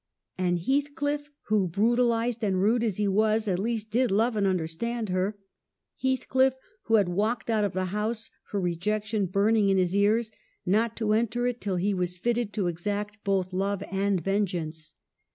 And Heathcliff, who, bru talized and rude as he was, at least did love and understand her? Heathcliff, who had walked out of the house, her rejection burning in his ears, not to enter it till he was fitted to exact both love and vengeance.